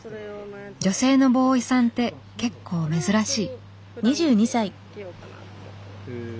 女性のボーイさんって結構珍しい。